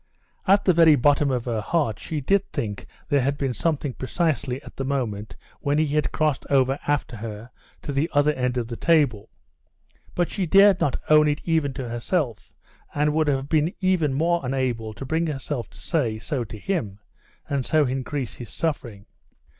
At the very bottom of her heart she did think there had been something precisely at the moment when he had crossed over after her to the other end of the table; but she dared not own it even to herself, and would have been even more unable to bring herself to say so to him, and so increase his suffering.